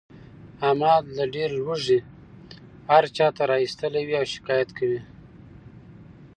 احمد له ډېر لوږې هر چاته ژبه را ایستلې وي او شکایت کوي.